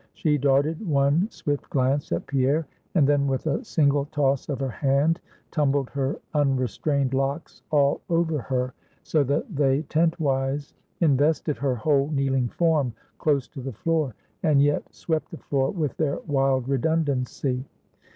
She darted one swift glance at Pierre; and then with a single toss of her hand tumbled her unrestrained locks all over her, so that they tent wise invested her whole kneeling form close to the floor, and yet swept the floor with their wild redundancy.